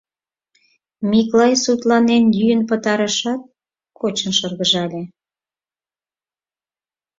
Миклай сутланен йӱын пытарышат, кочын шыргыжале: